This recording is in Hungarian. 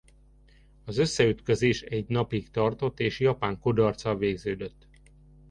Az összeütközés egy napig tartott és japán kudarccal végződött.